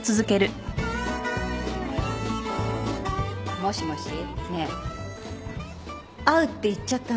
もしもし？ねえ会うって言っちゃったの？